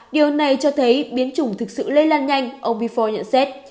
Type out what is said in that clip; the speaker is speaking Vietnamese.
điều này cho thấy biến chủng thực sự lây lan nhanh ông bifo nhận xét